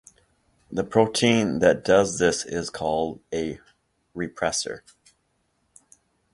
The protein that does this is called a repressor.